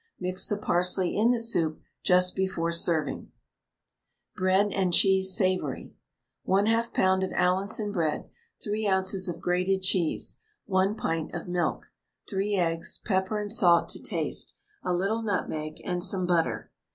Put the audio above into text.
Mix the parsley in the soup just before serving. BREAD AND CHEESE SAVOURY. 1/2 lb. of Allinson bread, 3 oz. of grated cheese, 1 pint of milk, 3 eggs, pepper and salt to taste, a little nutmeg, and some butter.